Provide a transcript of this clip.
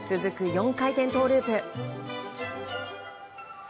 ４回転トウループ。